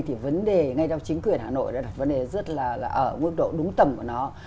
thì vấn đề ngay trong chính quyền hà nội là vấn đề rất là ở mức độ đúng tầm của nó